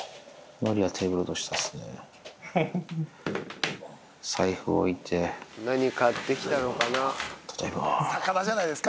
のりはテーブルの下ですね。